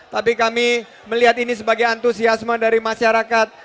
tapi kami melihat ini sebagai antusiasme dari masyarakat